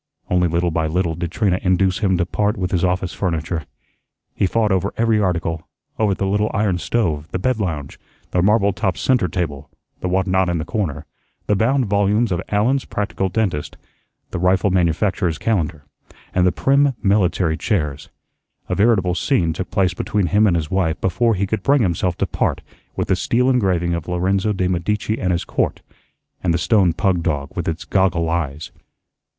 Only little by little did Trina induce him to part with his office furniture. He fought over every article, over the little iron stove, the bed lounge, the marble topped centre table, the whatnot in the corner, the bound volumes of "Allen's Practical Dentist," the rifle manufacturer's calendar, and the prim, military chairs. A veritable scene took place between him and his wife before he could bring himself to part with the steel engraving of "Lorenzo de' Medici and His Court" and the stone pug dog with its goggle eyes.